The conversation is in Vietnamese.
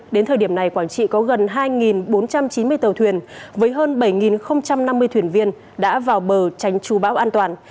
đến thời điểm này quảng trị có gần hai bốn trăm chín mươi tàu thuyền với hơn bảy năm mươi thuyền viên đã vào bờ tránh trù bão an toàn